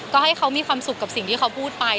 ก็ให้เขามีความสุขกับสิ่งที่เขาพูดไป